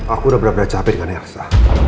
aku udah bener bener capek dengan elsa